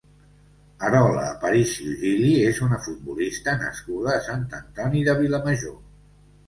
Arola Aparicio Gili és una futbolista nascuda a Sant Antoni de Vilamajor.